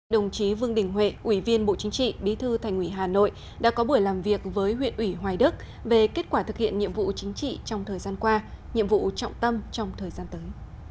đồng chí vương đình huệ ủy viên bộ chính trị bí thư thành ủy hà nội đã có buổi làm việc với huyện ủy hoài đức về kết quả thực hiện nhiệm vụ chính trị trong thời gian qua nhiệm vụ trọng tâm trong thời gian tới